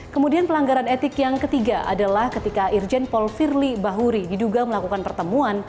kemudian pelanggaran etik yang ketiga adalah ketika irjen paul firly bahuri diduga melakukan pertemuan